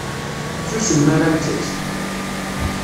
Susem mi ara nttett.